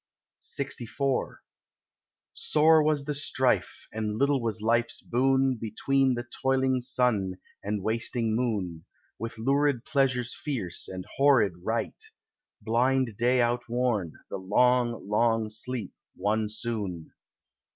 LXIV Sore was the strife, and little was life's boon Between the toiling sun and wasting moon, With lurid pleasures fierce, and horrid rite, Blind day outworn, the long long sleep won soon.